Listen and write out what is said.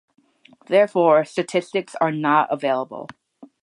Therefore, statistics are not available.